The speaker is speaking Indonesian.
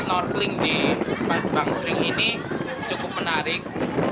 snorkeling di pantang sering ini cukup menarik